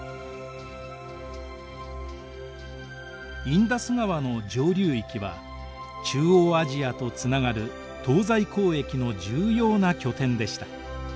インダス川の上流域は中央アジアとつながる東西交易の重要な拠点でした。